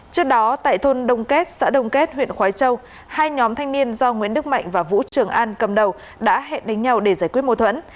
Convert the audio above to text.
trước đó tại thôn đông kết xã đồng kết huyện khói châu hai nhóm thanh niên do nguyễn đức mạnh và vũ trường an cầm đầu đã hẹn đánh nhau để giải quyết mô thuẫn